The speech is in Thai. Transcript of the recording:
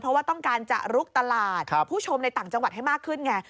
เพราะว่าต้องการจะลุกตลาดผู้ชมในต่างจังหวัดให้มากขึ้นไง